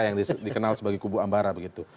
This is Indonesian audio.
yang dikenal sebagai kubu ambara begitu